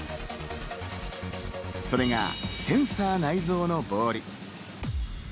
それがセンサー内蔵のボール。